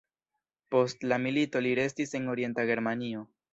Post la milito li restis en Orienta Germanio.